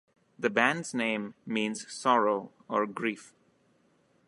The band's name means "sorrow" or "grief.